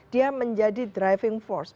dia menjadi driving force